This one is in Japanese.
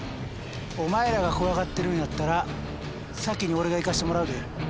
お前らが怖がってるんやったら先に俺が行かしてもらうで。